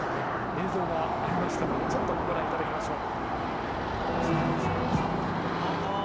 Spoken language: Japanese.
映像がありましたのでちょっとご覧頂きましょう。